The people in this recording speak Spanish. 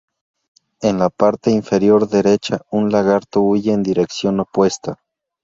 En la parte inferior derecha un lagarto huye en dirección opuesta.